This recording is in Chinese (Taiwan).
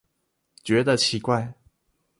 覺得奇怪